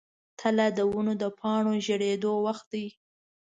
تله د ونو د پاڼو ژیړیدو وخت دی.